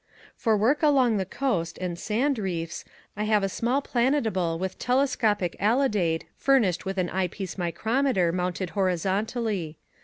For work along the coast and sand reefs I have a small planetable with telescopic alidade furnished with an eye piece micrometer mounted horizontally.